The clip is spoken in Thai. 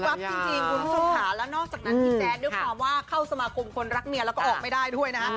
แล้วนอกจากนั้นพี่แซนด้วยความว่าเข้าสมกุมคนรักเมียเราออกไม่ได้ด้วยนะ